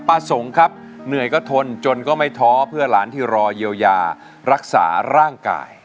ประสงค์ครับเหนื่อยก็ทนจนก็ไม่ท้อเพื่อหลานที่รอเยียวยารักษาร่างกาย